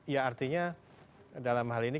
ya artinya dalam hal ini